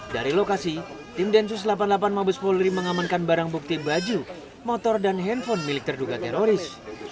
dari lokasi tim densus delapan puluh delapan mabes polri mengamankan barang bukti baju motor dan handphone milik terduga teroris